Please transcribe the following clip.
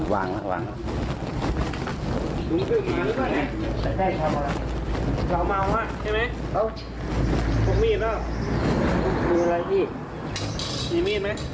วางแล้ววางแล้ว